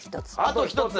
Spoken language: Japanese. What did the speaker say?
あと一つ！